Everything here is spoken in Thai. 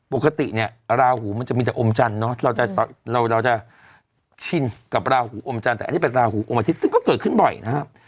ปกติเนี่ยราหูมันจะมีแต่อมจันทร์เนอะเราจะชินกับราหูอมจันทร์แต่อันนี้เป็นราหูอมอาทิตย์ซึ่งก็เกิดขึ้นบ่อยนะครับ